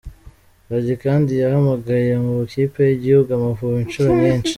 Gangi kandi yahamagawe mu Ikipe y’Igihugu Amavubi inshuro nyinshi.